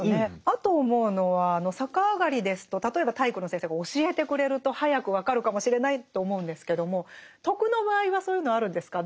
あと思うのは逆上がりですと例えば体育の先生が教えてくれると早く分かるかもしれないと思うんですけども「徳」の場合はそういうのあるんですか？